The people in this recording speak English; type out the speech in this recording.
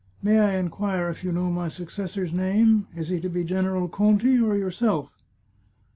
May I inquire if you know my successor's name? Is he to be General Conti or yourself